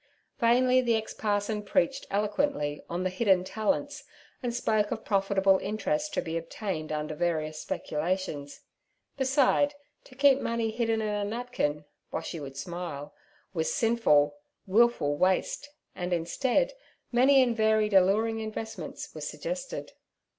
Vainly the ex parson preached eloquently on the Hidden Talents, and spoke of profitable interest to be obtained under various speculations; beside, to keep money hidden in a napkin (Boshy would smile) was sinful, wilful waste, and instead, many and varied alluring investments were suggested.